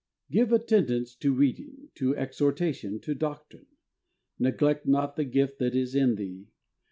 "Give attendance to reading, to exhortation, to doctrine. Neglect not the gift that is in thee.